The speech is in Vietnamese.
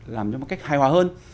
làm cho một cách hài hòa hơn